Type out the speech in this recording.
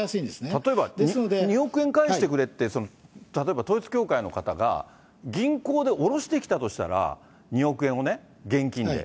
例えば２億円返してくれって、例えば統一教会の方が銀行で下ろしてきたとしたら、２億円をね、現金で。